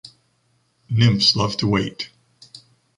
Nymphs love to wait.